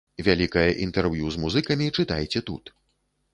Вялікае інтэрв'ю з музыкамі чытайце тут!